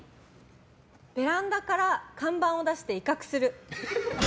ベランダから看板を出して威嚇する。